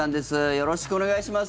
よろしくお願いします。